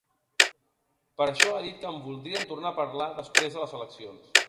Per això ha dit que en voldrien tornar a parlar després de les eleccions.